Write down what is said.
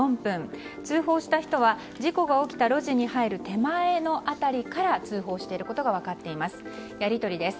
通報した人は事故が起きた路地に入る手前の辺りから通報していることが分かっています。